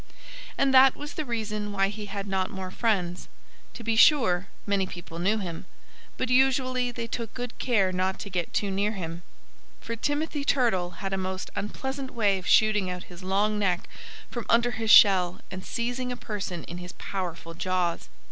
And that was the reason why he had not more friends. To be sure, many people knew him. But usually they took good care not to get too near him. For Timothy Turtle had a most unpleasant way of shooting out his long neck from under his shell and seizing a person in his powerful jaws.